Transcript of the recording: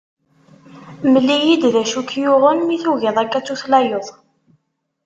Mel-iyi-d d acu i k-yuɣen mi tugiḍ akka ad d-tutlayeḍ.